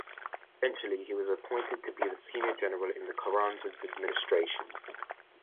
Eventually he was appointed to be the senior general in the Carranza administration.